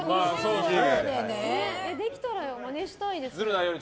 できたら、まねしたいです。